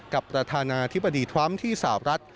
ประธานาธิบดีทรัมป์ที่สาวรัฐ